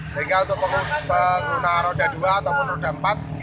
sehingga untuk pengguna roda dua atau pun roda empat